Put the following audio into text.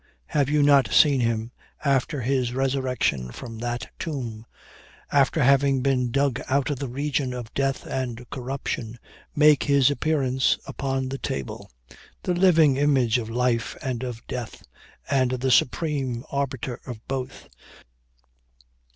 Have you not seen him after his resurrection from that tomb, after having been dug out of the region of death and corruption, make his appearance upon the table, the living image of life and of death, and the supreme arbiter of both?